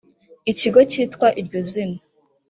ikigo cyitwa iryo zina